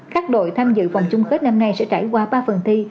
các đội tham dự vòng chung kết năm nay sẽ trải qua ba phần thi